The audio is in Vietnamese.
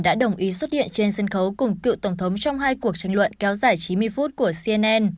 đã đồng ý xuất hiện trên sân khấu cùng cựu tổng thống trong hai cuộc tranh luận kéo dài chín mươi phút của cnn